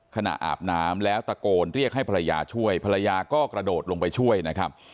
อาบน้ำแล้วตะโกนเรียกให้ภรรยาช่วยภรรยาก็กระโดดลงไปช่วยนะครับ